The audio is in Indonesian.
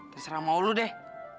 terserah mau lu deh